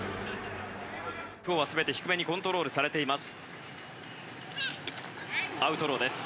今日は全て低めにコントロールされています。